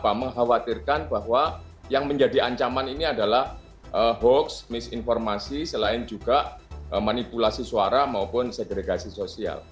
dan membuatkan bahwa yang menjadi ancaman ini adalah hoax misinformasi selain juga manipulasi suara maupun segregasi sosial